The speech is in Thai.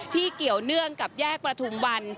เกี่ยวเนื่องกับแยกประทุมวัน